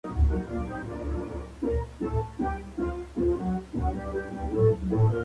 En cierto modo, se convierten en habituales.